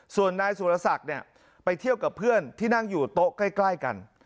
ส่วนนายสุรศักดิ์เนี่ยไปเที่ยวกับเพื่อนที่นั่งอยู่โต๊ะใกล้กัน